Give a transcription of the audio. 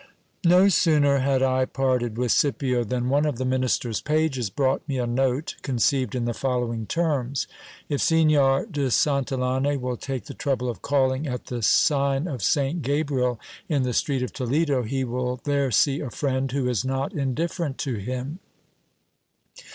No sooner had I parted with Scipio than one of the minister's pages brought me a note conceived in the following terms : "If Signorde SanUllane will take the trouble of calling at the sign of Saint Gabriel, in the street of Toledo, he will there see a friend who is not indifferent to him."